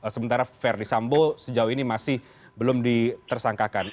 sementara verdi sambo sejauh ini masih belum ditersangkakan